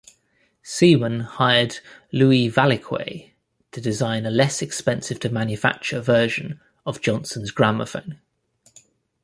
Seaman hired Louis Valiquet to design a less-expensive-to-manufacture version of Johnson's Gramophone.